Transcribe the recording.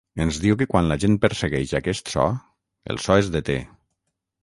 Es diu que quan la gent persegueix aquest so, el so es deté.